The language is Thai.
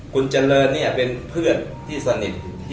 คุณเจริญเป็นเพื่อนรักที่สนิท